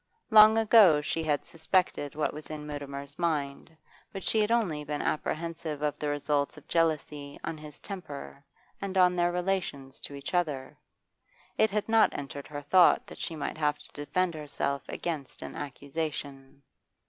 Long ago she had suspected what was in Mutimer's mind, but she had only been apprehensive of the results of jealousy on his temper and on their relations to each other; it had not entered her thought that she might have to defend herself against an accusation.